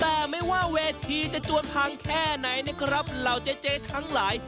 แต่ไม่ว่าเวทีจะจวนพังแค่ไหนนะครับเหล่าเจ๊ทั้งหลาย